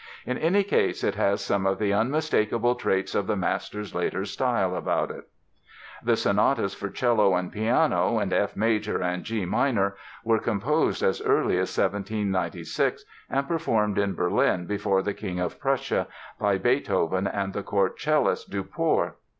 In any case it has some of the unmistakable traits of the master's later style about it. The sonatas for cello and piano, in F major and G minor, were composed as early as 1796 and performed in Berlin before the King of Prussia by Beethoven and the Court cellist, Duport.